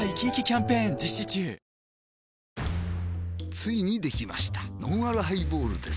ついにできましたのんあるハイボールです